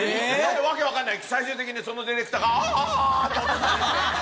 訳分かんない最終的にそのディレクターが。って落とされて。